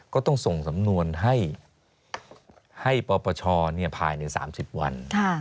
ก็ต้องส่งสำนวนให้ปปชภายใน๓๐วัน